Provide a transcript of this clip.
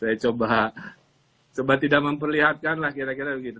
saya coba tidak memperlihatkan lah kira kira begitu